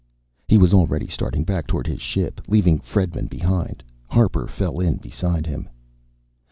He was already starting back toward his ship, leaving Fredman behind. Harper fell in beside him.